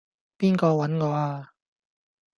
邊個搵我呀?